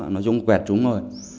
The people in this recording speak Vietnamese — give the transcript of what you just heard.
nói chung quẹt chúng rồi